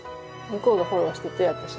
向こうがフォローしてて私の事を。